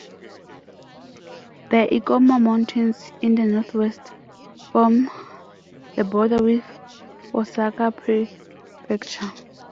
The Ikoma Mountains in the Northwest form the border with Osaka Prefecture.